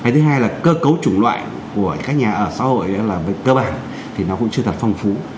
thứ hai là cơ cấu chủng loại của các nhà ở xã hội là cơ bản thì nó cũng chưa thật phong phú